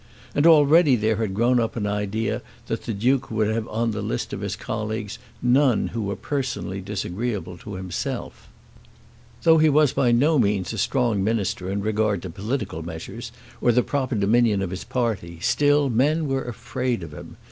And already there had grown up an idea that the Duke would have on the list of his colleagues none who were personally disagreeable to himself. Though he was by no means a strong Minister in regard to political measures, or the proper dominion of his party, still men were afraid of him.